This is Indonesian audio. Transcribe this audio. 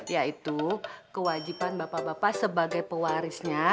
yaitu kewajiban bapak bapak sebagai pewarisnya